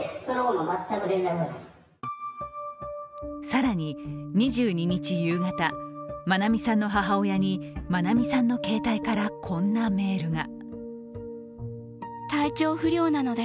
更に２２日夕方、愛美さんの母親に愛美さんの携帯からこんなメールが。